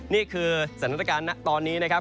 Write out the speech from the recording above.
นี่คือสถานการณ์ตอนนี้นะครับ